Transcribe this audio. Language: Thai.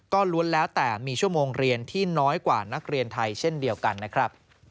ก็ล้วนแล้วแต่มีชั่วโมงเรียนที่น้อยกว่า